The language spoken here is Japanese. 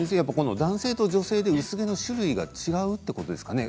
男性と女性で薄毛の種類が違うというものですか。